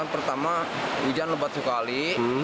pertama hujan lebat sekali